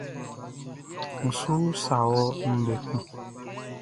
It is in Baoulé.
N su usa wɔ ndɛ kun.